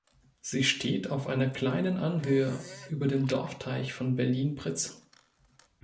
Sie steht auf einer kleinen Anhöhe über dem Dorfteich von Berlin-Britz.